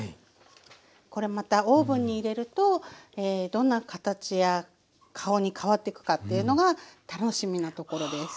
これまたオーブンに入れるとどんな形や顔に変わってくかっていうのが楽しみなところです。